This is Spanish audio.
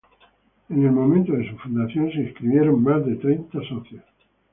En el momento de su fundación, se inscribieron más de treinta socios.